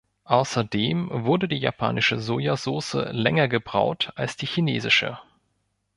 Außerdem wurde die japanische Sojasauce länger „gebraut“ als die chinesische.